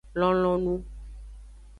Lonlonu.